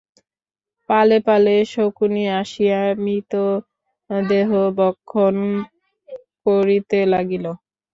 পালে পালে শকুনি আসিয়া মৃতদেহ ভক্ষণ করিতে লাগিল।